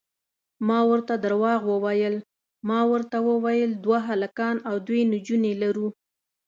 ما ورته درواغ وویل، ما ورته وویل دوه هلکان او دوې نجونې لرو.